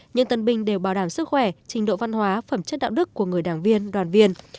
những tân binh đều bảo đảm sức khỏe trình độ văn hóa phẩm chất đạo đức của người đảng viên đoàn viên